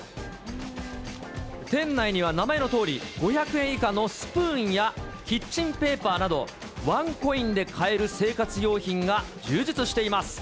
店内には、名前のとおり５００円以下のスプーンや、キッチンペーパーなど、ワンコインで買える生活用品が充実しています。